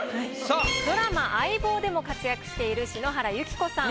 ドラマ「相棒」でも活躍している篠原ゆき子さん。